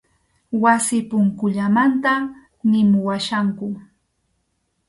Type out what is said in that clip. Wasi punkullamanta nimuwachkanku.